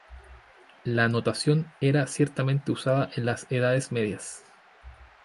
La notación era ciertamente usada en las Edades Medias.